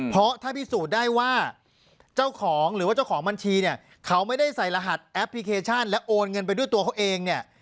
เพราะถ้าพิสูจน์ได้ว่าเจ้าของหรือว่าเจ้าของบัญชีเนี่ยเขาไม่ได้ใส่รหัสแอปพลิเคชันและโอนเงินไปด้วยตัวเขาเองเนี่ย